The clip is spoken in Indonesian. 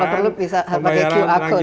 perlu bisa pakai qr code